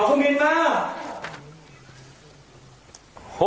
ครูกัดสบัติคร้าว